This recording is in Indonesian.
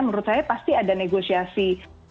menurut saya pasti ada negosiasi